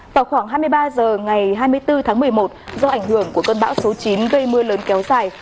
vào khoảng hai mươi ba h ngày hai mươi bốn tháng một mươi một do ảnh hưởng của cơn bão số chín gây mưa lớn kéo dài